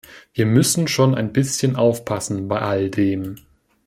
Wir müssen schon ein bisschen aufpassen bei all dem.